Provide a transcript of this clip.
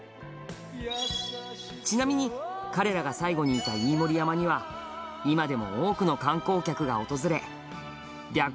ちなみに彼らが最期にいた飯盛山には今でも、多くの観光客が訪れ白虎隊をしのんでいるんだ